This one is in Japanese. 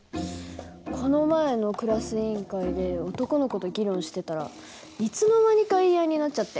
この前のクラス委員会で男の子と議論してたらいつの間にか言い合いになっちゃって。